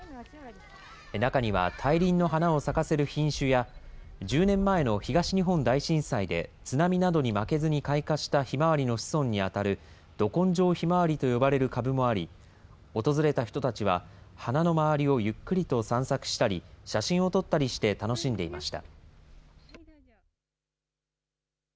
中には大輪の花を咲かせる品種や、１０年前の東日本大震災で、津波などに負けずに開花したひまわりの子孫に当たるど根性ひまわりと呼ばれる株もあり、訪れた人たちは、花の周りをゆっくりと散策したり、写真を撮ったりして楽しんでいました。